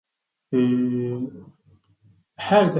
The exhibit's success prompted Porter to pursue photography full-time.